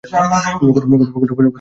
গত আট বছরে এই প্রথম।